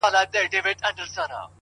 زحمت د راتلونکي بنسټ قوي کوي،